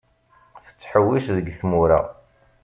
Yettḥewwis deg tmura